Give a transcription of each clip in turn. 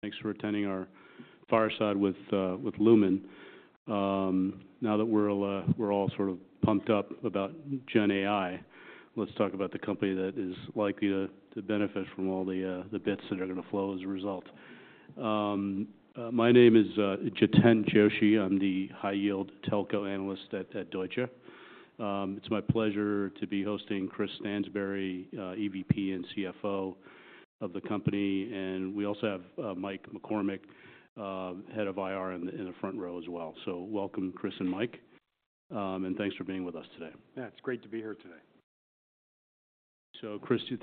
Thanks for attending our Fireside with with Lumen. Now that we're all, we're all sort of pumped up about Gen AI, let's talk about the company that is likely to to benefit from all the, the bits that are gonna flow as a result. My name is Jiten Joshi. I'm the high yield telco analyst at at Deutsche. It's my pleasure to be hosting Chris Stansbury, EVP and CFO of the company, and we also have Mike McCormack, head of IR in the, in the front row as well. So welcome, Chris and Mike, and thanks for being with us today. Yeah, it's great to be here today. So, Chris, do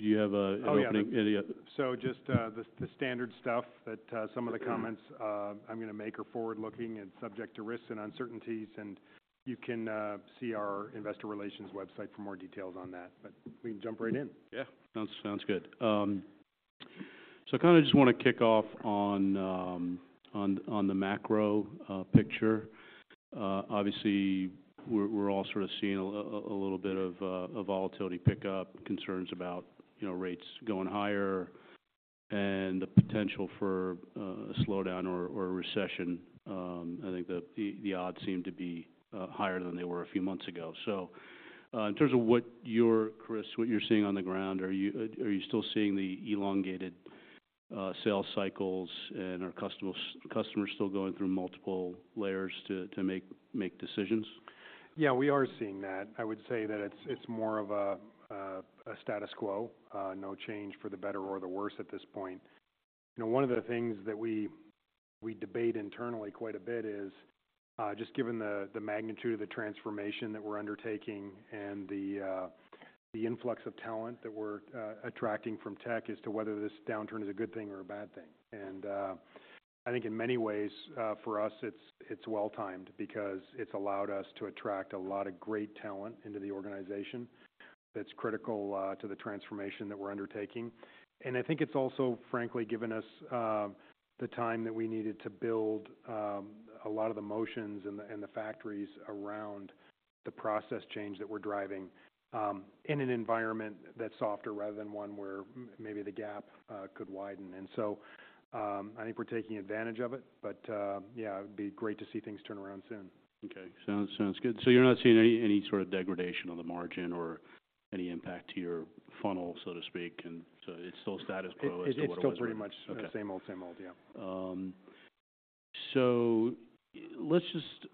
you have a- Oh, yeah -an opening any, uh- So just the standard stuff that some of the comments I'm gonna make are forward-looking and subject to risks and uncertainties, and you can see our investor relations website for more details on that, but we can jump right in. Yeah. Sounds, sounds good. So I kinda just wanna kick off on the macro picture. Obviously, we're all sort of seeing a little bit of volatility pickup, concerns about, you know, rates going higher and the potential for a slowdown or a recession. I think the odds seem to be higher than they were a few months ago. So, in terms of what you're... Chris, what you're seeing on the ground, are you still seeing the elongated sales cycles, and are customers still going through multiple layers to make decisions? Yeah, we are seeing that. I would say that it's more of a status quo, no change for the better or the worse at this point. You know, one of the things that we debate internally quite a bit is just given the magnitude of the transformation that we're undertaking and the influx of talent that we're attracting from tech as to whether this downturn is a good thing or a bad thing. And I think in many ways, for us, it's well-timed because it's allowed us to attract a lot of great talent into the organization that's critical to the transformation that we're undertaking. I think it's also, frankly, given us the time that we needed to build a lot of the motions and the factories around the process change that we're driving in an environment that's softer rather than one where maybe the gap could widen. So, I think we're taking advantage of it, but yeah, it'd be great to see things turn around soon. Okay. Sounds good. So you're not seeing any sort of degradation on the margin or any impact to your funnel, so to speak, and so it's still status quo as to what it was? It's still pretty much- Okay Same old, same old. Yeah. So let's just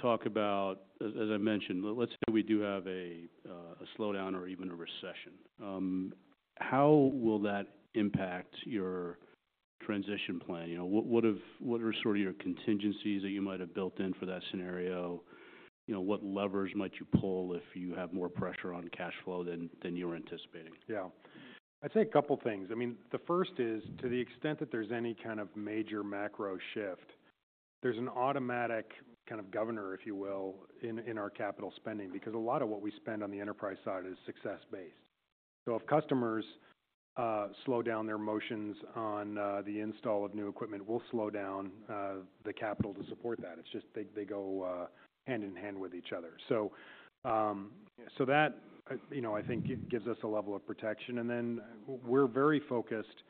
talk about, as I mentioned, let's say we do have a slowdown or even a recession. How will that impact your transition plan? You know, what are sort of your contingencies that you might have built in for that scenario? You know, what levers might you pull if you have more pressure on cash flow than you were anticipating? Yeah. I'd say a couple things. I mean, the first is, to the extent that there's any kind of major macro shift, there's an automatic kind of governor, if you will, in our capital spending, because a lot of what we spend on the enterprise side is success-based. So if customers slow down their motions on the install of new equipment, we'll slow down the capital to support that. It's just they go hand in hand with each other. So that, you know, I think it gives us a level of protection, and then we're very focused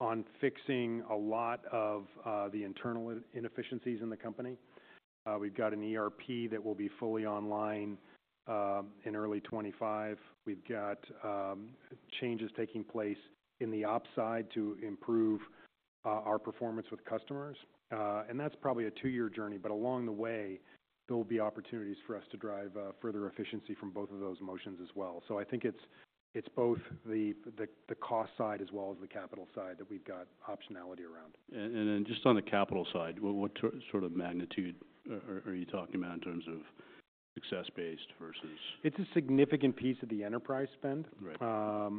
on fixing a lot of the internal inefficiencies in the company. We've got an ERP that will be fully online in early 2025. We've got changes taking place in the ops side to improve our performance with customers, and that's probably a 2-year journey, but along the way, there will be opportunities for us to drive further efficiency from both of those motions as well. So I think it's both the cost side as well as the capital side that we've got optionality around. And then just on the capital side, what sort of magnitude are you talking about in terms of success based versus? It's a significant piece of the enterprise spend. Right.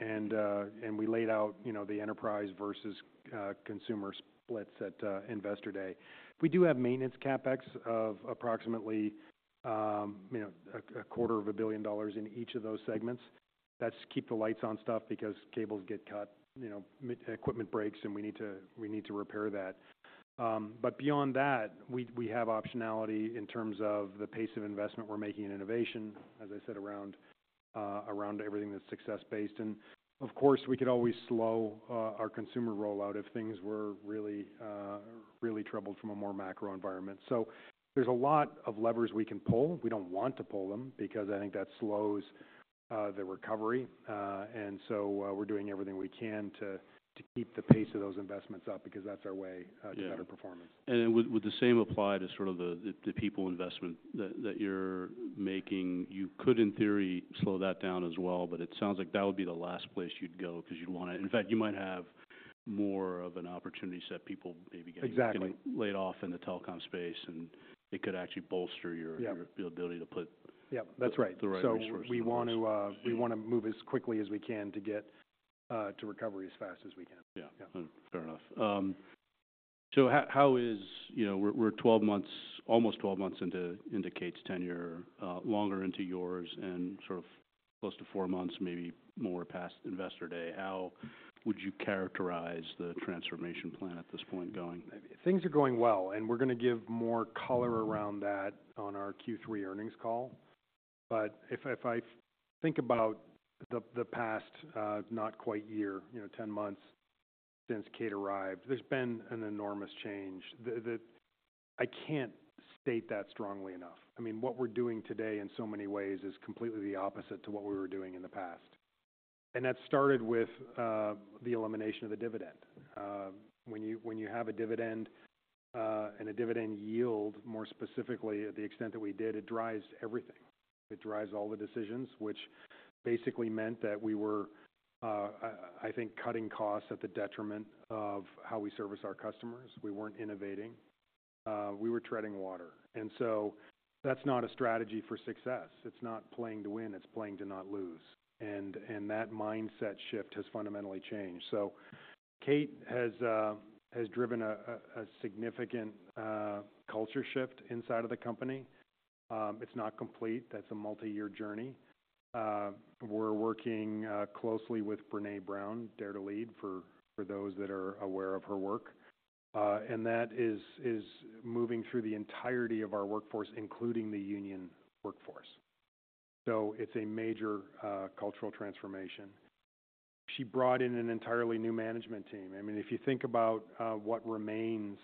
And we laid out, you know, the enterprise versus consumer splits at Investor Day. We do have maintenance CapEx of approximately, you know, a quarter of a billion dollars in each of those segments. That's keep the lights on stuff because cables get cut, you know, equipment breaks, and we need to, we need to repair that. But beyond that, we have optionality in terms of the pace of investment we're making in innovation, as I said, around around everything that's success based. And of course, we could always slow our consumer rollout if things were really really troubled from a more macro environment. So there's a lot of levers we can pull. We don't want to pull them because I think that slows the recovery, and so we're doing everything we can to keep the pace of those investments up because that's our way- Yeah To better performance. And then would the same apply to sort of the people investment that you're making? You could, in theory, slow that down as well, but it sounds like that would be the last place you'd go because you'd wanna in fact, you might have more of an opportunity set people maybe getting- Exactly Laid off in the telecom space, and it could actually bolster your- Yeah Your ability to put- Yeah, that's right. The right resources. We want to, we wanna move as quickly as we can to get, to recovery as fast as we can. Yeah. Yeah. Fair enough. So how is you know, we're 12 months, almost 12 months into Kate's tenure, longer into yours, and sort of close to 4 months, maybe more, past Investor Day. How would you characterize the transformation plan at this point going? Things are going well, and we're gonna give more color around that on our Q3 earnings call, but if I think about the past, not quite a year, you know, 10 months since Kate arrived, there's been an enormous change. I can't state that strongly enough. I mean, what we're doing today in so many ways is completely the opposite to what we were doing in the past, and that started with the elimination of the dividend. When you have a dividend, and a dividend yield, more specifically, to the extent that we did, it drives everything. It drives all the decisions, which basically meant that we were, I think, cutting costs at the detriment of how we service our customers. We weren't innovating. We were treading water, and so that's not a strategy for success. It's not playing to win; it's playing to not lose, and that mindset shift has fundamentally changed. So Kate has driven a significant culture shift inside of the company. It's not complete. That's a multi-year journey. We're working closely with Brené Brown, Dare to Lead, for those that are aware of her work, and that is moving through the entirety of our workforce, including the union workforce. So it's a major cultural transformation. She brought in an entirely new management team. I mean, if you think about what remains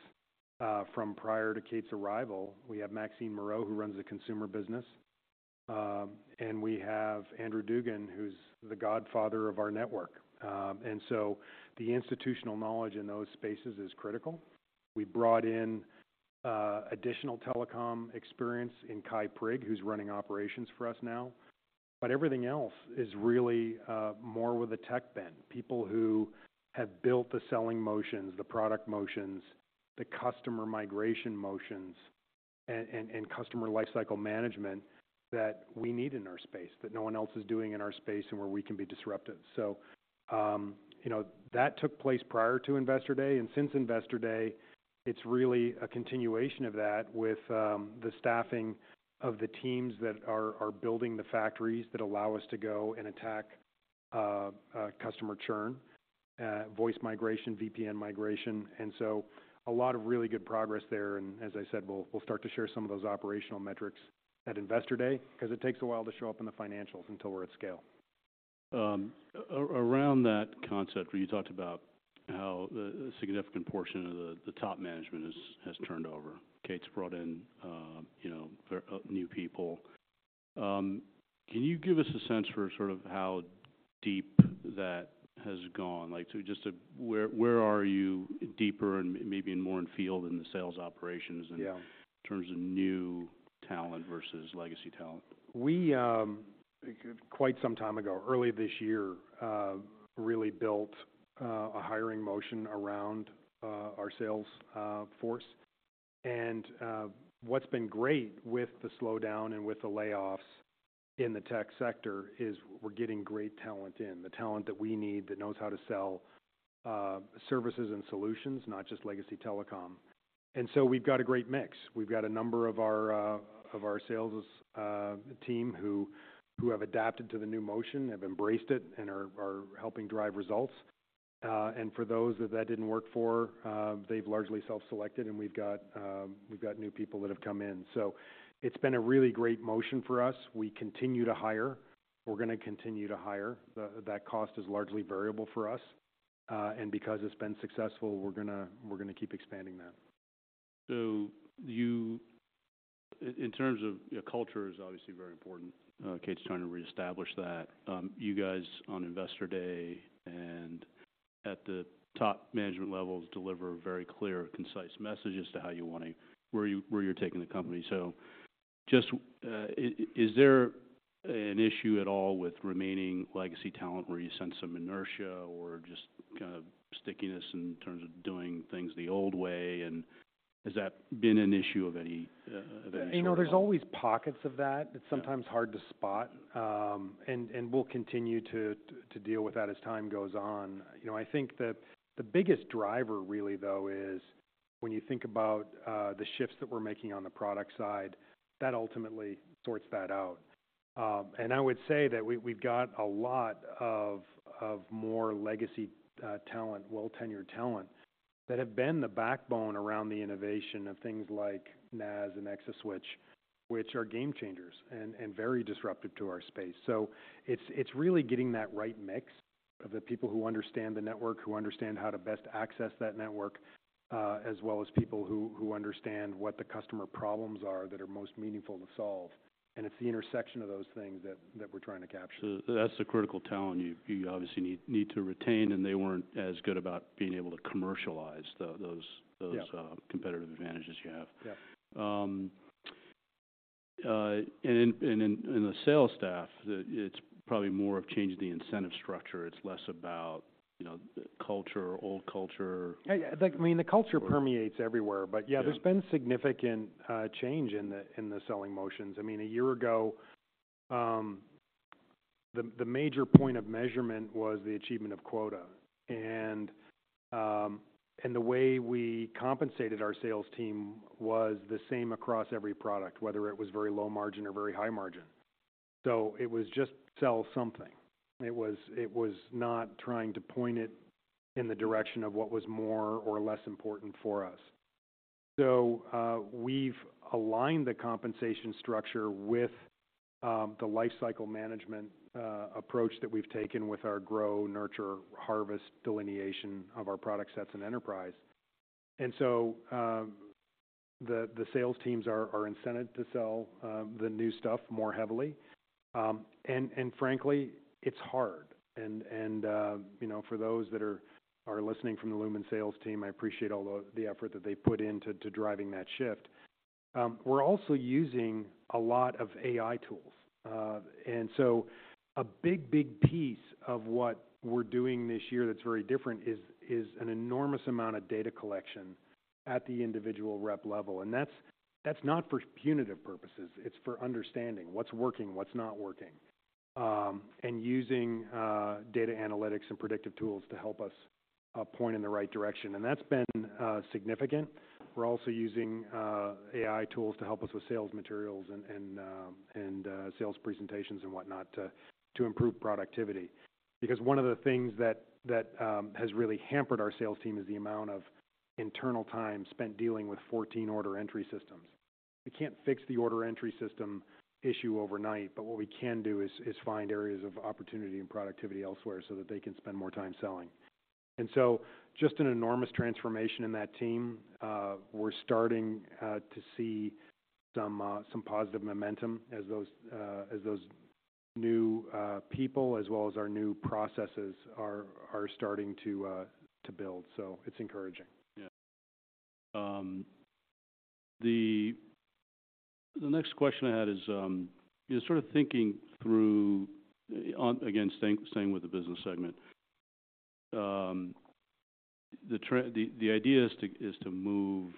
from prior to Kate's arrival, we have Maxine Moreau, who runs the consumer business, and we have Andrew Dugan, who's the godfather of our network. And so the institutional knowledge in those spaces is critical. We brought in additional telecom experience in Kye Prigg, who's running operations for us now, but everything else is really more with a tech bent. People who have built the selling motions, the product motions, the customer migration motions, and customer lifecycle management that we need in our space, that no one else is doing in our space, and where we can be disruptive. So, you know, that took place prior to Investor Day, and since Investor Day, it's really a continuation of that with the staffing of the teams that are building the factories that allow us to go and attack a customer churn, voice migration, VPN migration, and so a lot of really good progress there. As I said, we'll start to share some of those operational metrics at Investor Day, 'cause it takes a while to show up in the financials until we're at scale. Around that concept, where you talked about how a significant portion of the top management has turned over. Kate's brought in, you know, new people. Can you give us a sense for sort of how deep that has gone? Like, so just, where are you deeper and maybe in more in field in the sales operations- Yeah... in terms of new talent versus legacy talent? We quite some time ago, early this year, really built a hiring motion around our sales force. And what's been great with the slowdown and with the layoffs in the tech sector is we're getting great talent in, the talent that we need, that knows how to sell services and solutions, not just legacy telecom. And so we've got a great mix. We've got a number of our sales team who have adapted to the new motion, have embraced it, and are helping drive results. And for those that didn't work for, they've largely self-selected, and we've got new people that have come in. So it's been a really great motion for us. We continue to hire. We're gonna continue to hire. That cost is largely variable for us, and because it's been successful, we're gonna keep expanding that. So, in terms of, you know, culture is obviously very important. Kate's trying to reestablish that. You guys, on Investor Day and at the top management levels, deliver a very clear, concise message as to how you want to... where you, where you're taking the company. So just, is there an issue at all with remaining legacy talent, where you sense some inertia or just kind of stickiness in terms of doing things the old way? And has that been an issue of any sort at all? You know, there's always pockets of that. Yeah. It's sometimes hard to spot, and we'll continue to deal with that as time goes on. You know, I think that the biggest driver really, though, is when you think about the shifts that we're making on the product side, that ultimately sorts that out. And I would say that we, we've got a lot of more legacy talent, well-tenured talent, that have been the backbone around the innovation of things like NaaS and ExaSwitch, which are game changers and very disruptive to our space. So it's really getting that right mix of the people who understand the network, who understand how to best access that network, as well as people who understand what the customer problems are, that are most meaningful to solve, and it's the intersection of those things that we're trying to capture. So that's the critical talent you obviously need to retain, and they weren't as good about being able to commercialize those- Yeah... competitive advantages you have. Yeah. And in the sales staff, it's probably more of changing the incentive structure. It's less about, you know, culture, old culture. Like, I mean, the culture permeates everywhere. Yeah... but yeah, there's been significant change in the selling motions. I mean, a year ago, the major point of measurement was the achievement of quota, and the way we compensated our sales team was the same across every product, whether it was very low margin or very high margin. So it was just sell something. It was not trying to point it in the direction of what was more or less important for us. So, we've aligned the compensation structure with the life cycle management approach that we've taken with our Grow, Nurture, Harvest delineation of our product sets and enterprise. And so, the sales teams are incented to sell the new stuff more heavily. And frankly, it's hard. You know, for those that are listening from the Lumen sales team, I appreciate all the effort that they put in to driving that shift. We're also using a lot of AI tools. And so a big piece of what we're doing this year that's very different is an enormous amount of data collection at the individual rep level. And that's not for punitive purposes, it's for understanding what's working, what's not working, and using data analytics and predictive tools to help us point in the right direction, and that's been significant. We're also using AI tools to help us with sales materials and sales presentations and whatnot, to improve productivity. Because one of the things that has really hampered our sales team is the amount of internal time spent dealing with 14 order entry systems. We can't fix the order entry system issue overnight, but what we can do is find areas of opportunity and productivity elsewhere so that they can spend more time selling. And so just an enormous transformation in that team. We're starting to see some positive momentum as those new people, as well as our new processes, are starting to build. So it's encouraging. Yeah. The next question I had is just sort of thinking through once again, staying with the business segment. The idea is to move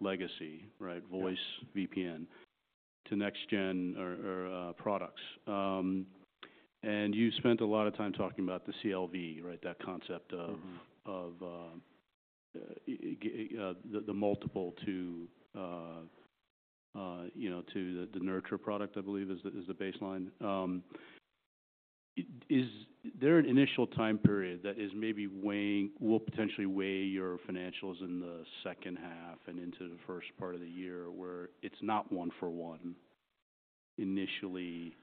legacy, right? Yeah. Voice VPN to next gen or products. And you spent a lot of time talking about the CLV, right? That concept of- Mm-hmm... of the multiple to, you know, to the nurture product, I believe, is the baseline. Is there an initial time period that will potentially weigh your financials in the second half and into the first part of the year, where it's not one for one initially?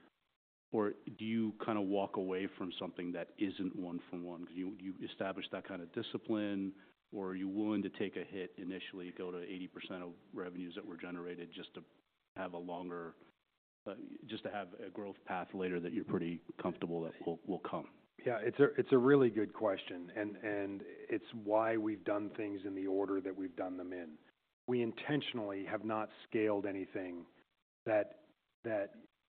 Or do you kind of walk away from something that isn't one for one, because you've established that kind of discipline? Or are you willing to take a hit initially, go to 80% of revenues that were generated just to have a growth path later that you're pretty comfortable that will come? Yeah, it's a really good question, and it's why we've done things in the order that we've done them in. We intentionally have not scaled anything that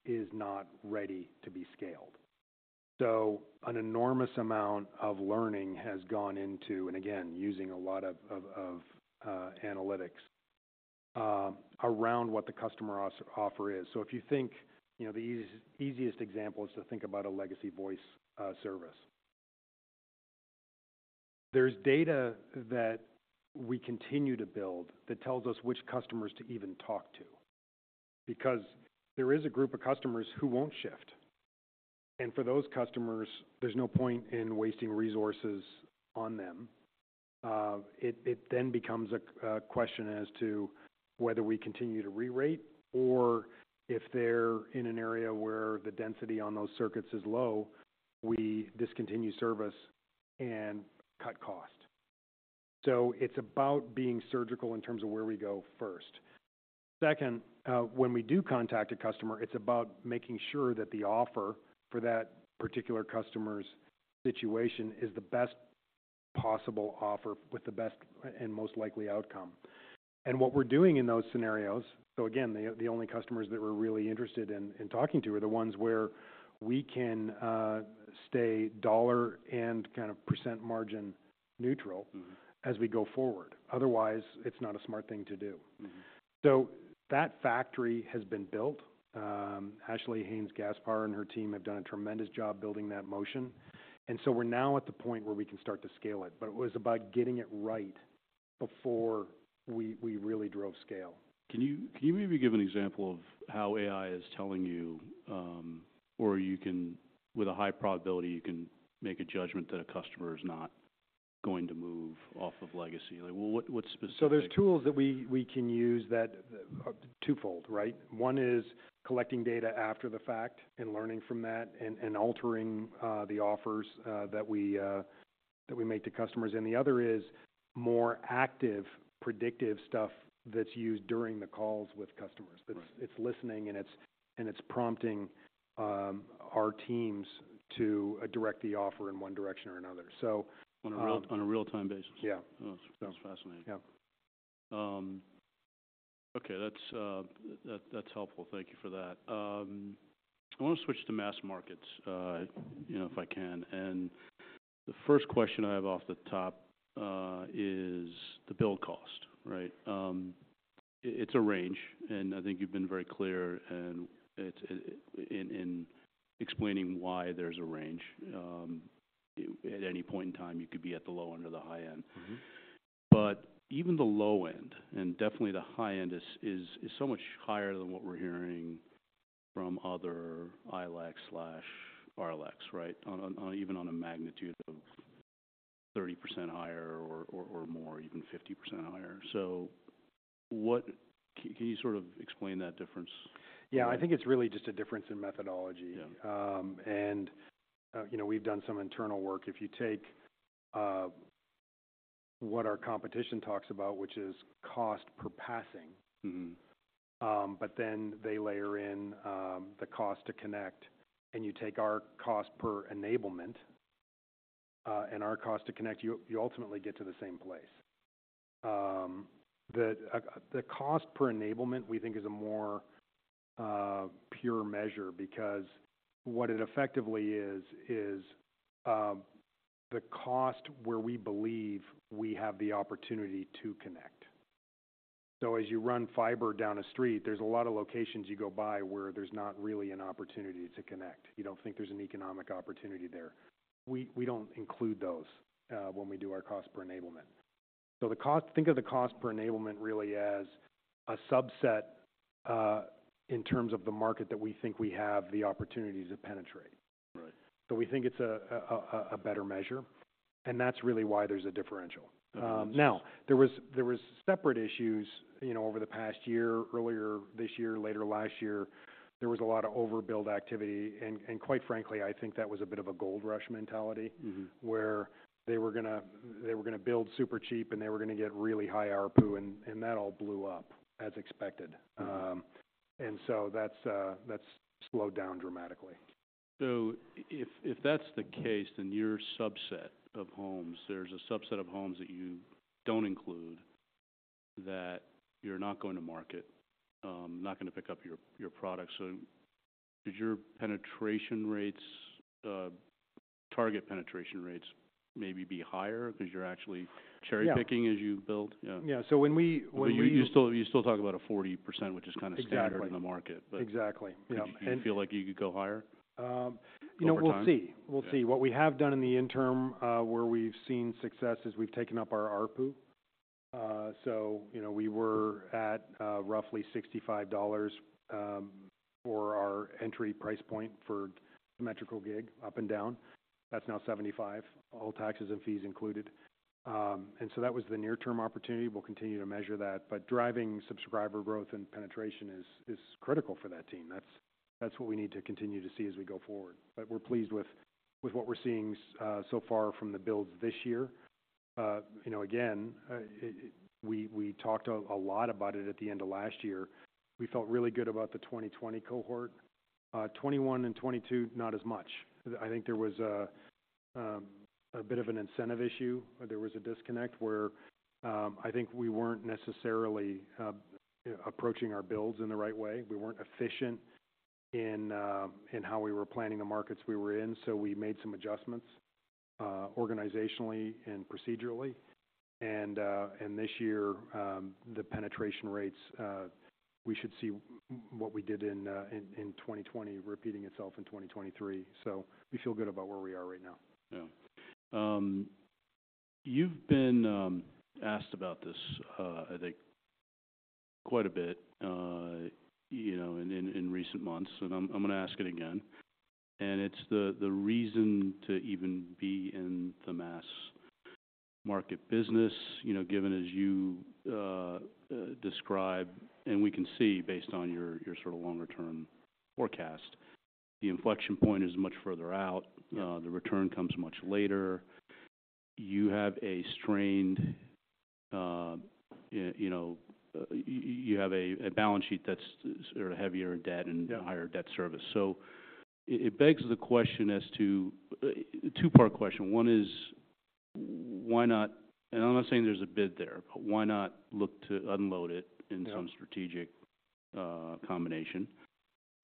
is not ready to be scaled. So an enormous amount of learning has gone into... and again, using a lot of analytics around what the customer offer is. So if you think, you know, the easiest example is to think about a legacy voice service. There's data that we continue to build that tells us which customers to even talk to, because there is a group of customers who won't shift, and for those customers, there's no point in wasting resources on them. It then becomes a question as to whether we continue to re-rate or if they're in an area where the density on those circuits is low, we discontinue service and cut cost. So it's about being surgical in terms of where we go first. Second, when we do contact a customer, it's about making sure that the offer for that particular customer's situation is the best possible offer, with the best and most likely outcome. And what we're doing in those scenarios... So again, the only customers that we're really interested in talking to are the ones where we can stay dollar and kind of percent margin neutral- Mm-hmm... as we go forward. Otherwise, it's not a smart thing to do. Mm-hmm. So that factory has been built. Ashley Haynes-Gaspar and her team have done a tremendous job building that motion, and so we're now at the point where we can start to scale it. But it was about getting it right before we really drove scale. Can you, can you maybe give an example of how AI is telling you, or you can- with a high probability, you can make a judgment that a customer is not going to move off of legacy? Like, well, what, what specifically- So there's tools that we can use that are twofold, right? One is collecting data after the fact and learning from that and altering the offers that we make to customers. And the other is more active, predictive stuff that's used during the calls with customers. Right. That it's listening and it's prompting our teams to direct the offer in one direction or another. So, On a real-time basis? Yeah. Oh, that's fascinating. Yeah. Okay, that's, that, that's helpful. Thank you for that. I want to switch to Mass Markets, you know, if I can. And the first question I have off the top is the bill cost, right? It's a range, and I think you've been very clear, and it's in explaining why there's a range. At any point in time, you could be at the low end or the high end. Mm-hmm. But even the low end, and definitely the high end, is so much higher than what we're hearing from other ILEC slash RLECs, right? On, even on a magnitude of 30% higher or more, even 50% higher. So what can you sort of explain that difference? Yeah, I think it's really just a difference in methodology. Yeah. you know, we've done some internal work. If you take what our competition talks about, which is cost per passing- Mm-hmm. But then they layer in the cost to connect, and you take our cost per enablement and our cost to connect, you ultimately get to the same place. The cost per enablement, we think, is a more pure measure, because what it effectively is, is the cost where we believe we have the opportunity to connect. So as you run fiber down a street, there's a lot of locations you go by where there's not really an opportunity to connect. You don't think there's an economic opportunity there. We don't include those when we do our cost per enablement. So the cost, think of the cost per enablement really as a subset, in terms of the market, that we think we have the opportunity to penetrate. Right. We think it's a better measure, and that's really why there's a differential. Mm-hmm. Now, there was separate issues, you know, over the past year, earlier this year, later last year, there was a lot of overbuild activity, and quite frankly, I think that was a bit of a gold rush mentality- Mm-hmm... where they were gonna build super cheap, and they were gonna get really high ARPU, and that all blew up, as expected. Mm-hmm. That's slowed down dramatically. So if that's the case, then your subset of homes, there's a subset of homes that you don't include, that you're not going to market, not going to pick up your product. So does your penetration rates, target penetration rates may be higher because you're actually cherry- Yeah... picking as you build? Yeah. Yeah, so when we- But you still talk about a 40%, which is kind of- Exactly... standard in the market but- Exactly, yeah. And- Do you feel like you could go higher, over time? You know, we'll see. Yeah. We'll see. What we have done in the interim, where we've seen success, is we've taken up our ARPU. So, you know, we were at roughly $65 for our entry price point for symmetrical gig up and down. That's now $75, all taxes and fees included. And so that was the near-term opportunity. We'll continue to measure that, but driving subscriber growth and penetration is critical for that team. That's what we need to continue to see as we go forward. But we're pleased with what we're seeing so far from the builds this year. You know, again, we talked a lot about it at the end of last year. We felt really good about the 2020 cohort. 2021 and 2022, not as much. I think there was a bit of an incentive issue. There was a disconnect where I think we weren't necessarily approaching our builds in the right way. We weren't efficient in how we were planning the markets we were in, so we made some adjustments organizationally and procedurally. And this year, the penetration rates, we should see what we did in 2020 repeating itself in 2023. So we feel good about where we are right now. Yeah. You've been asked about this, I think quite a bit, you know, in recent months, and I'm gonna ask it again. It's the reason to even be in the mass market business, you know, given, as you describe, and we can see based on your sort of longer-term forecast, the inflection point is much further out. Yeah. The return comes much later. You have a strained, you know, balance sheet that's sort of heavier in debt- Yeah... and higher debt service. So it begs the question as to, two-part question. One is: why not... And I'm not saying there's a bid there, but why not look to unload it- Yeah... in some strategic combination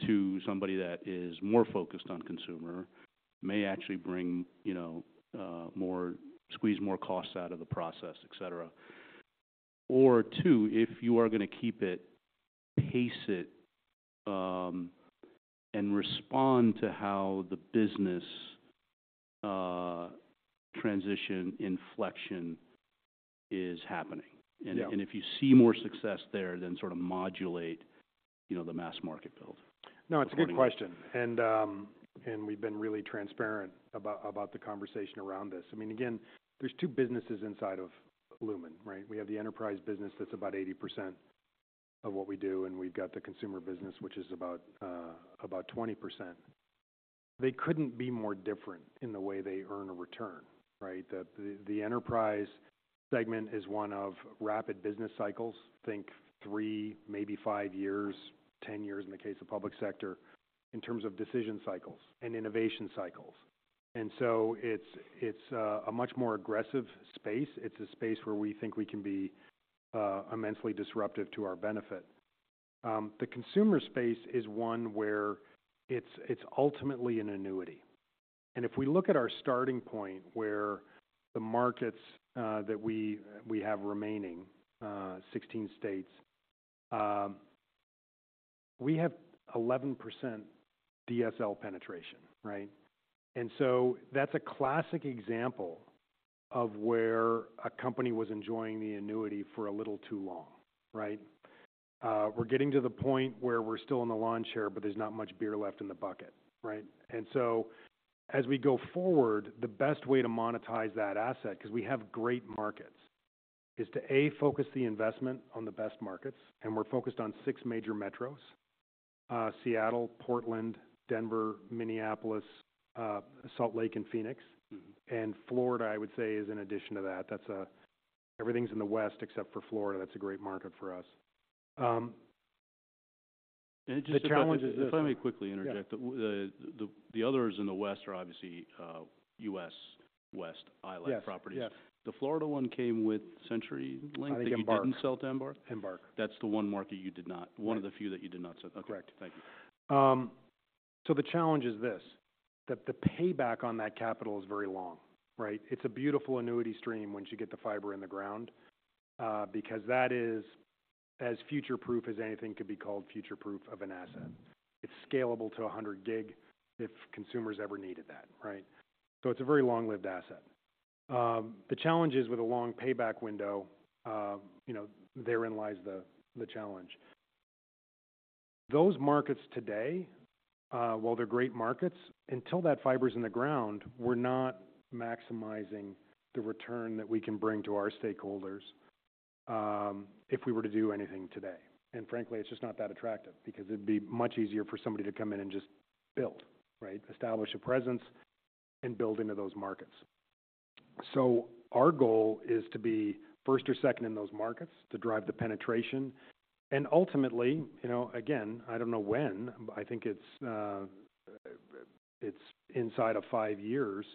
to somebody that is more focused on consumer, may actually bring, you know, more, squeeze more costs out of the process, et cetera. Or two, if you are gonna keep it, pace it, and respond to how the business transition inflection is happening. Yeah. And if you see more success there, then sort of modulate, you know, the mass market build. No, it's a great question. According to- We've been really transparent about the conversation around this. I mean, again, there's two businesses inside of Lumen, right? We have the enterprise business that's about 80% of what we do, and we've got the consumer business, which is about 20%. They couldn't be more different in the way they earn a return, right? The enterprise segment is one of rapid business cycles. Think three, maybe five years, 10 years in the case of public sector, in terms of decision cycles and innovation cycles. And so it's a much more aggressive space. It's a space where we think we can be immensely disruptive to our benefit. The consumer space is one where it's ultimately an annuity, and if we look at our starting point, where the markets that we have remaining, 16 states, we have 11% DSL penetration, right? And so that's a classic example of where a company was enjoying the annuity for a little too long, right? We're getting to the point where we're still in the lawn chair, but there's not much beer left in the bucket, right? And so as we go forward, the best way to monetize that asset, 'cause we have great markets, is to, A, focus the investment on the best markets, and we're focused on six major metros: Seattle, Portland, Denver, Minneapolis, Salt Lake, and Phoenix. Mm-hmm. Florida, I would say, is an addition to that. That's. Everything's in the West except for Florida. That's a great market for us. The challenge is- If I may quickly interject. Yeah. The others in the West are obviously US West- Yes Highlight properties. Yes. The Florida one came with CenturyLink- I think Embarq. That you didn't sell to Embarq? Embarq. That's the one market you did not- Right One of the few that you did not sell. Correct. Okay, thank you. So the challenge is this: that the payback on that capital is very long, right? It's a beautiful annuity stream once you get the fiber in the ground, because that is as future-proof as anything could be called future-proof of an asset. It's scalable to 100 gig if consumers ever needed that, right? So it's a very long-lived asset. The challenge is, with a long payback window, you know, therein lies the, the challenge. Those markets today, while they're great markets, until that fiber's in the ground, we're not maximizing the return that we can bring to our stakeholders, if we were to do anything today. And frankly, it's just not that attractive because it'd be much easier for somebody to come in and just build, right? Establish a presence and build into those markets. So our goal is to be first or second in those markets, to drive the penetration. And ultimately, you know, again, I don't know when, I think it's inside of five years,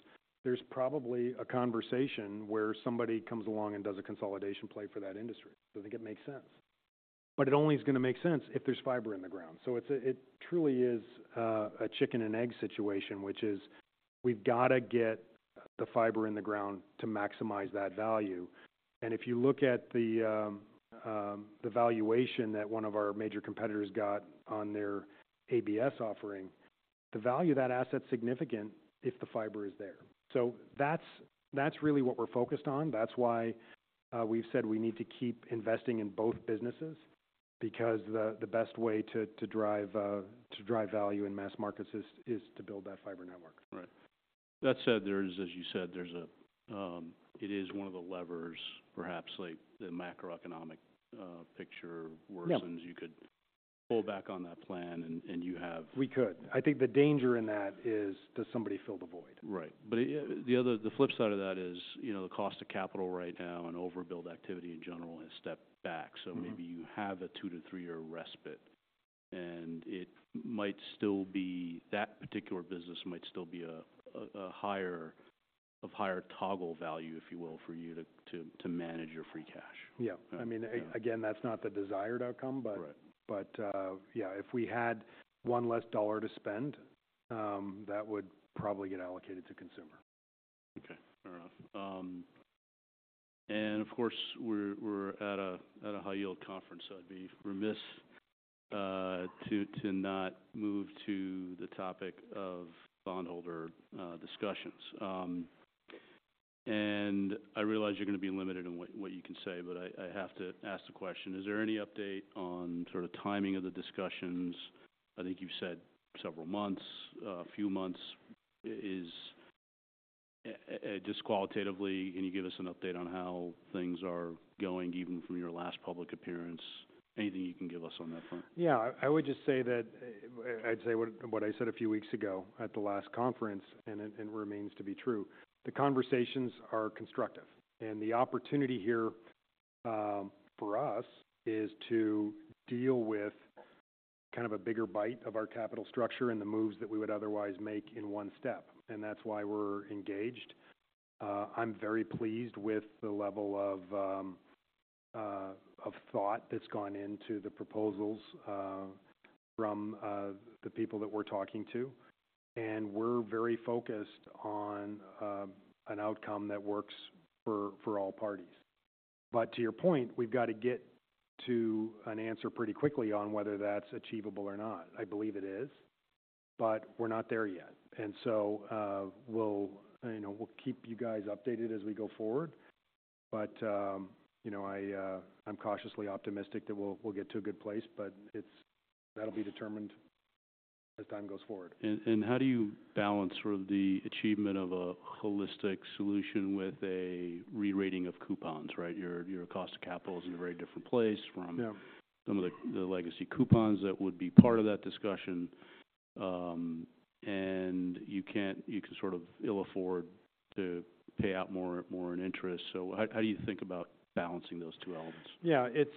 there's probably a conversation where somebody comes along and does a consolidation play for that industry. So I think it makes sense. But it only is gonna make sense if there's fiber in the ground. So it's a chicken and egg situation, which is, we've got to get the fiber in the ground to maximize that value. And if you look at the, the valuation that one of our major competitors got on their ABS offering, the value of that asset's significant if the fiber is there. So that's really what we're focused on. That's why we've said we need to keep investing in both businesses, because the best way to drive value in mass markets is to build that fiber network. Right. That said, there's, as you said, there's a, it is one of the levers, perhaps like the macroeconomic picture- Yeah worsens, you could pull back on that plan, and you have- We could. I think the danger in that is, does somebody fill the void? Right. But, the flip side of that is, you know, the cost of capital right now and overbuild activity in general has stepped back. Mm-hmm. So maybe you have a 2-3-year respite, and it might still be that particular business might still be a higher of higher toggle value, if you will, for you to manage your free cash. Yeah. Yeah. I mean, again, that's not the desired outcome, but- Right. But, yeah, if we had $1 less to spend, that would probably get allocated to consumer. Okay. Fair enough. And of course, we're at a high yield conference, so I'd be remiss to not move to the topic of bondholder discussions. And I realize you're gonna be limited in what you can say, but I have to ask the question: Is there any update on sort of timing of the discussions? I think you've said several months, a few months. Just qualitatively, can you give us an update on how things are going, even from your last public appearance? Anything you can give us on that front? Yeah. I would just say that I'd say what I said a few weeks ago at the last conference, and it remains to be true. The conversations are constructive, and the opportunity here for us is to deal with kind of a bigger bite of our capital structure and the moves that we would otherwise make in one step, and that's why we're engaged. I'm very pleased with the level of thought that's gone into the proposals from the people that we're talking to, and we're very focused on an outcome that works for all parties. But to your point, we've got to get to an answer pretty quickly on whether that's achievable or not. I believe it is, but we're not there yet. We'll keep you guys updated as we go forward, but you know, I'm cautiously optimistic that we'll get to a good place, but that'll be determined as time goes forward. And how do you balance sort of the achievement of a holistic solution with a re-rating of coupons, right? Your cost of capital is in a very different place from- Yeah Some of the legacy coupons that would be part of that discussion, and you can sort of ill afford to pay out more in interest. So how do you think about balancing those two elements? Yeah, it's,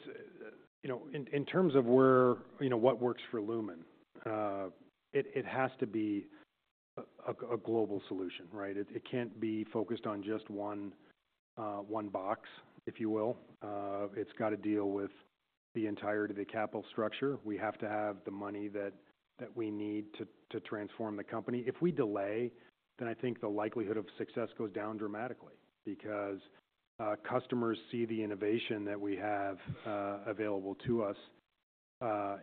you know, in terms of where, you know, what works for Lumen, it has to be a global solution, right? It can't be focused on just one box, if you will. It's got to deal with the entirety of the capital structure. We have to have the money that we need to transform the company. If we delay, then I think the likelihood of success goes down dramatically because customers see the innovation that we have available to us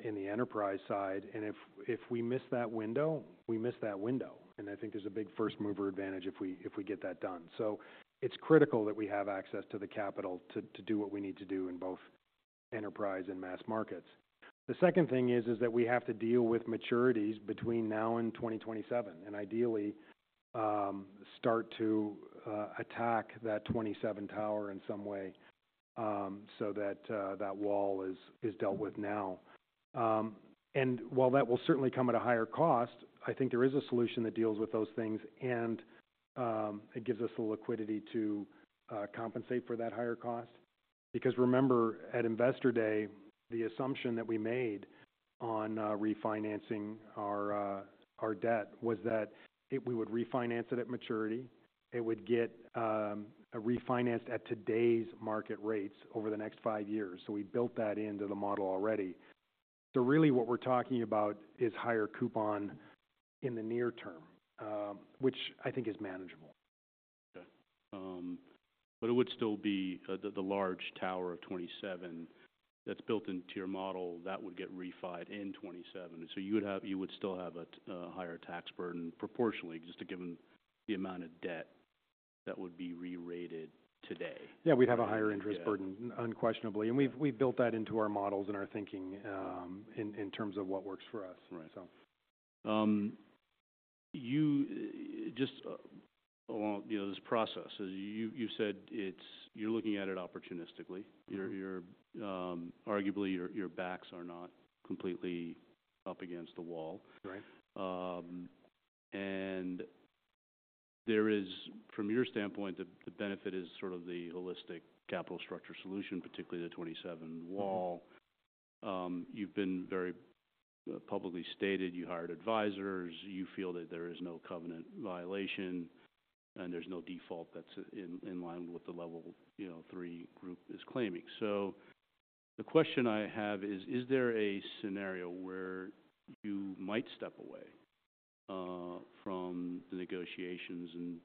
in the enterprise side, and if we miss that window, we miss that window. I think there's a big first-mover advantage if we get that done. So it's critical that we have access to the capital to do what we need to do in both enterprise and mass markets. The second thing is that we have to deal with maturities between now and 2027, and ideally, start to attack that 2027 tower in some way, so that that wall is dealt with now. And while that will certainly come at a higher cost, I think there is a solution that deals with those things, and it gives us the liquidity to compensate for that higher cost. Because remember, at Investor Day, the assumption that we made on refinancing our debt was that if we would refinance it at maturity, it would get refinanced at today's market rates over the next five years. So we built that into the model already. So really what we're talking about is higher coupon in the near term, which I think is manageable. Okay. But it would still be the large tower of 27 that's built into your model, that would get refinanced in 2027. So you would still have a higher tax burden proportionally, just given the amount of debt that would be re-rated today? Yeah, we'd have a higher interest- Yeah -burden, unquestionably. Yeah. And we've built that into our models and our thinking, in terms of what works for us. Right. So. You just, well, you know, this process, as you said, you're looking at it opportunistically. Mm-hmm. Arguably, your backs are not completely up against the wall. Right. And there from your standpoint, the benefit is sort of the holistic capital structure solution, particularly the 27 Wall. Mm-hmm. You've been very publicly stated, you hired advisors, you feel that there is no covenant violation, and there's no default that's in line with what the Level 3 group is claiming. So the question I have is: Is there a scenario where you might step away from the negotiations and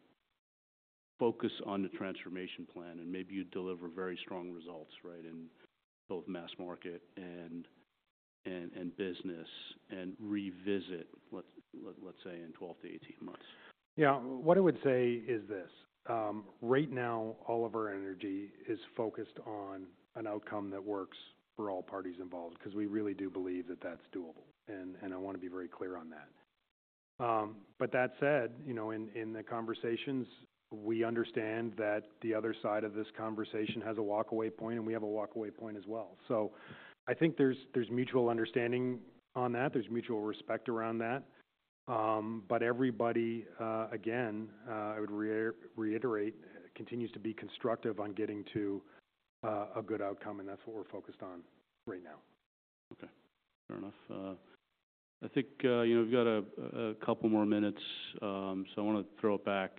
focus on the transformation plan, and maybe you deliver very strong results, right, in both mass market and business and revisit, let's say, in 12-18 months? Yeah. What I would say is this: Right now, all of our energy is focused on an outcome that works for all parties involved, 'cause we really do believe that that's doable. And I want to be very clear on that. But that said, you know, in the conversations, we understand that the other side of this conversation has a walkaway point, and we have a walkaway point as well. So I think there's mutual understanding on that. There's mutual respect around that. But everybody, again, I would reiterate, continues to be constructive on getting to a good outcome, and that's what we're focused on right now. Okay, fair enough. I think we've got a couple more minutes, so I want to throw it back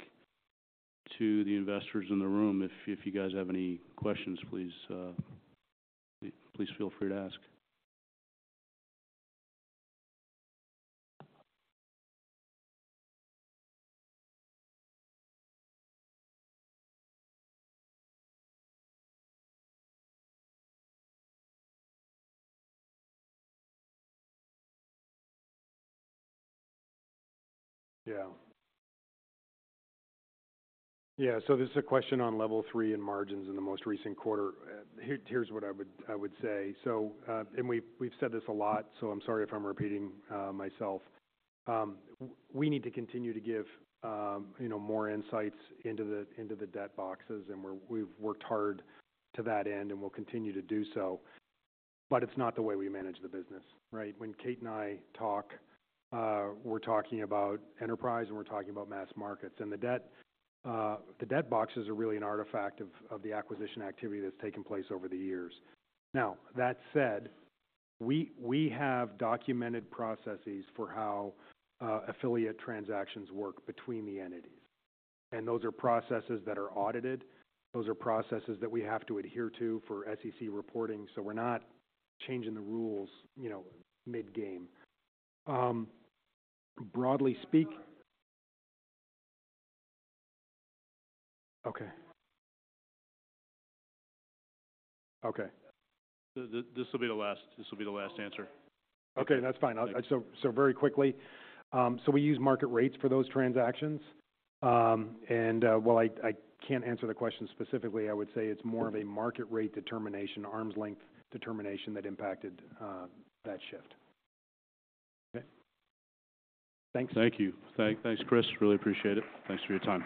to the investors in the room. If you guys have any questions, please, please feel free to ask. Yeah. Yeah, so this is a question on Level 3 and margins in the most recent quarter. Here, here's what I would, I would say: So, and we've, we've said this a lot, so I'm sorry if I'm repeating myself. We need to continue to give, you know, more insights into the, into the debt boxes, and we've worked hard to that end, and we'll continue to do so. But it's not the way we manage the business, right? When Kate and I talk, we're talking about enterprise, and we're talking about mass markets. And the debt, the debt boxes are really an artifact of, of the acquisition activity that's taken place over the years. Now, that said, we, we have documented processes for how, affiliate transactions work between the entities, and those are processes that are audited. Those are processes that we have to adhere to for SEC reporting, so we're not changing the rules, you know, mid-game. Okay. Okay. This will be the last, this will be the last answer. Okay, that's fine. Thank you. So very quickly, we use market rates for those transactions. And while I can't answer the question specifically, I would say it's more- Okay Of a market rate determination, arm's length determination, that impacted, that shift. Okay. Thanks. Thank you. Thanks, Chris. Really appreciate it. Thanks for your time.